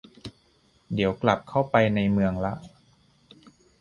เดี๋ยวกลับเข้าไปในเมืองละ